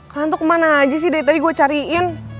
kalian tuh kemana aja sih dari tadi gue cariin